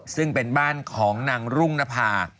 ซึ่งเป็นบ้านของนางรุ่งนภา